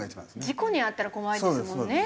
事故に遭ったら怖いですもんね